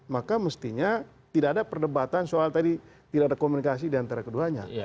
maka mestinya tidak ada perdebatan soal tadi tidak ada komunikasi diantara keduanya